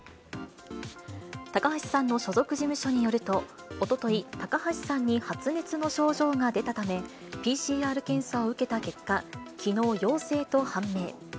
高橋さんの所属事務所によると、おととい、高橋さんに発熱の症状が出たため、ＰＣＲ検査を受けた結果、きのう陽性と判明。